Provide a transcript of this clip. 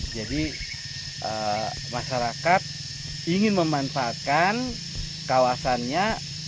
jadi masyarakat ingin memanfaatkan kawasannya